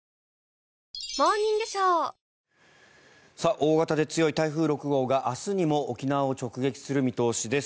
大型で強い台風６号が明日にも沖縄を直撃する見通しです。